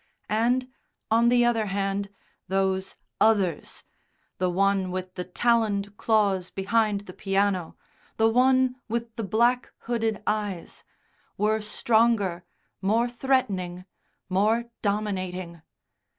And, on the other hand, those Others the one with the taloned claws behind the piano, the one with the black hooded eyes were stronger, more threatening, more dominating.